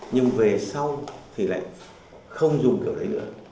nhưng về sau thì lại không dùng kiểu đấy nữa